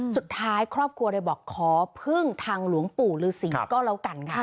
สุดท้ายครอบครัวเลยบอกขอพึ่งทางหลวงปู่ฤษีก็แล้วกันค่ะ